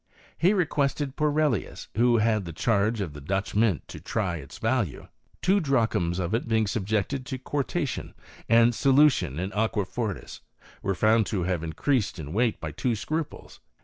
He requested Porelius, who had the charge of the Dutch mint, to try its value. Two drachms of it being subjected to quartation, and solu tion in aqua fortis, were found to have increased in weight by two scruples.